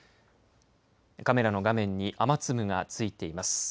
カメラの画面に雨粒がついています。